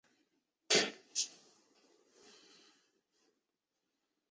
因境内岳阳县最高峰相思山而得名。